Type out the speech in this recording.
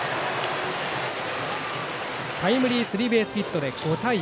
タイムリースリーベースヒットで５対３。